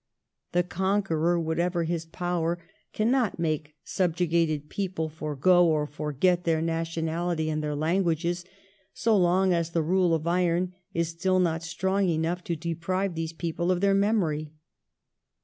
The conqueror, what ever his power, cannot make subjugated peoples fore go or forget their nationality and their languages, so long as the rule of iron is still not strong enough to deprive these peoples of their memory.